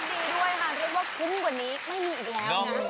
ยิ่งดีกับผู้โชคดีด้วยค่ะเรียกว่าคุ้มกว่านี้ไม่มีอีกแล้วนะ